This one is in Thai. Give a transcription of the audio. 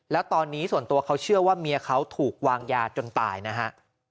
แล้วตอนนี้ส่วนตัวเขาเชื่อว่าเมียเขาถูกวางยาจนตายนะฮะ